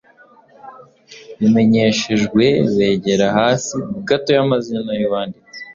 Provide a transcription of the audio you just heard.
Bimenyeshejwe: Begera hasi gato y'amazina y'uwanditse